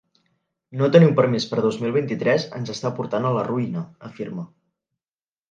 No tenir un permís per dos mil vint-i-tres ens està portant a la ruïna, afirma.